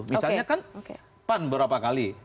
misalnya kan pan berapa kali